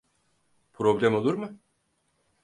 Problem olur mu?